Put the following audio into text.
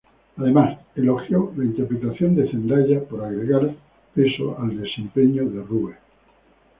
Además, elogió la interpretación de Zendaya por agregar peso al desempeño de Rue.